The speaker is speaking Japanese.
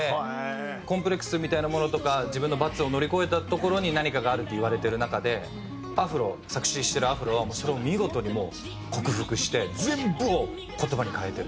コンプレックスみたいなものとか自分の罰を乗り越えたところに何かがあるっていわれてる中でアフロ作詞してるアフロはそれを見事にもう克服して全部を言葉に変えてる。